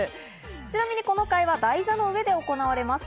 ちなみにこの会話、台座の上で行われます。